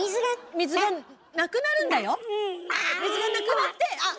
水がなくなってあっ！